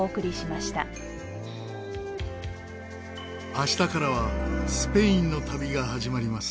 明日からはスペインの旅が始まります。